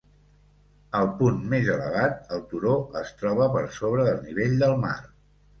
Al punt més elevat, el turó es troba per sobre del nivell del mar.